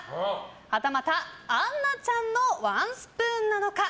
はたまた、杏菜ちゃんのワンスプーンなのか。